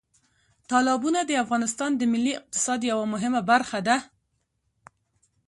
تالابونه د افغانستان د ملي اقتصاد یوه مهمه برخه ده.